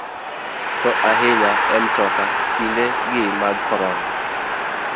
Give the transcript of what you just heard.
To ahinya e mtoka kinde gi mag korona.